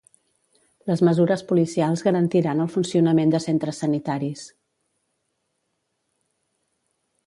Les mesures policials garantiran el funcionament de centres sanitaris.